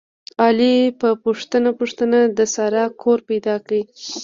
علي په پوښته پوښتنه د سارې کور پیدا کړ.